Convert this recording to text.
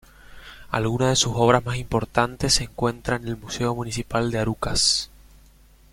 Algunas de sus obras más importantes se encuentran en el Museo Municipal de Arucas.